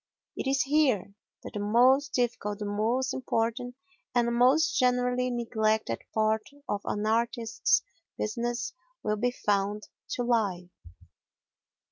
It is here that the most difficult, the most important, and the most generally neglected part of an artist's business will be found to lie.